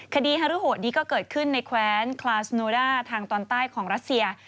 ฮารุโหดนี้ก็เกิดขึ้นในแคว้นคลาสโนด้าทางตอนใต้ของรัสเซีย